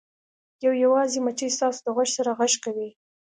یو یوازې مچۍ ستاسو د غوږ سره غږ کوي